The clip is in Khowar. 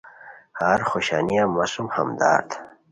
ہر خوشانیہ مہ سُم ہمدرد